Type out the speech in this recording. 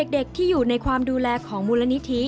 เด็กที่อยู่ในความดูแลของมูลนิธิ